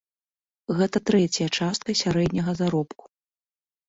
Гэта трэцяя частка сярэдняга заробку.